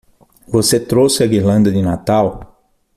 Você trouxe a guirlanda de Natal?